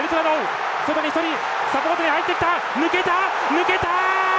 抜けた！